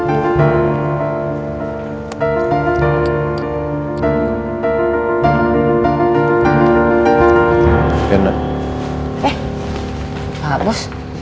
eh pak bos